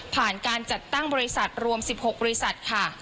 ผ่านการจัดตั้งบริษัทรวม๑๖บริษัท